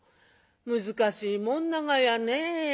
「難しいもんながやね」。